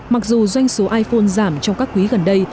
mặc dù doanh số iphone giảm trong các quý gần đây